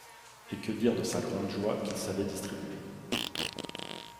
Et que dire de sa grande joie qu’il savait distribuer.